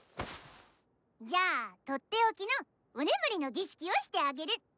じゃあとっておきの「お眠りの儀式」をしてあげる！